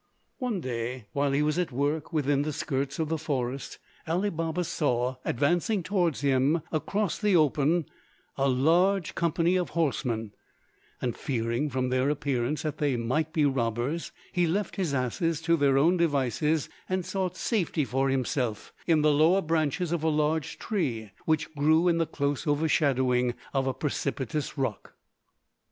One day while he was at work within the skirts of the forest, Ali Baba saw advancing towards him across the open a large company of horsemen, and fearing from their appearance that they might be robbers, he left his asses to their own devices and sought safety for himself in the lower branches of a large tree which grew in the close overshadowing of a precipitous rock.